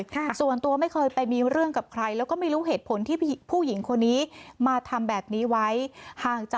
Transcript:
คงไม่มีใครกล้ามาทำแบบนี้ค่ะ